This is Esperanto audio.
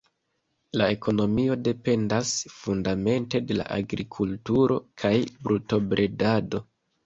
La ekonomio dependas fundamente de la agrikulturo kaj brutobredado.